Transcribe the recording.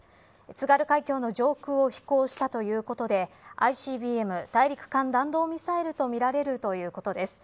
津軽海峡の上空を飛行したということでＩＣＢＭ大陸間弾道ミサイルとみられるということです。